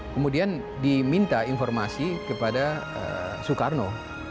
kemudian diminta informasi kepada soekarno